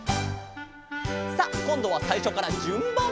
「」さあこんどはさいしょからじゅんばん！